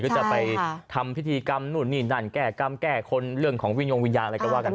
จะไปทำพิธีกรรมนู่นนี่นั่นแก้กรรมแก้คนเรื่องของวิญญงวิญญาณอะไรก็ว่ากันไป